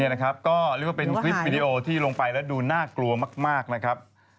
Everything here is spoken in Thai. ก็เรียกว่าเป็นคลิปวิดีโอที่ลงไปแล้วดูน่ากลัวมากนะครับ